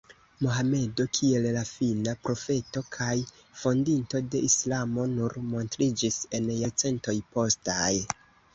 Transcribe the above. Mohamedo kiel la fina profeto kaj fondinto de islamo nur montriĝis en jarcentoj postaj.